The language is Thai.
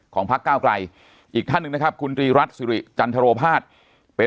ของพักก้าวกลายอีกนึงนะครับคุณตรีรัฐสุลิจันทรโรพาศเป็น